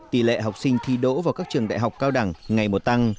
tỷ lệ học sinh thi đỗ vào các trường đại học cao đẳng ngày một tăng